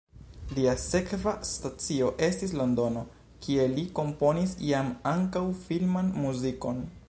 Lia sekva stacio estis Londono, kie li komponis jam ankaŭ filman muzikon.